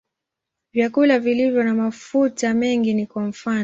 Vyakula vilivyo na mafuta mengi ni kwa mfano.